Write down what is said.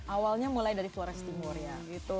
awalnya mulai dari flores timur ya